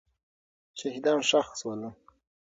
شهیدان ښخ سول.